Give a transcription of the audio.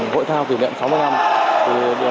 hội thao kỷ niệm sáu mươi năm